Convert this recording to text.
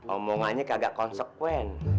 omongannya kagak konsekuen